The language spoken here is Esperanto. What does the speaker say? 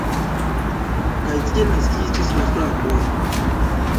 Kaj tiel naskiĝis la frapoj.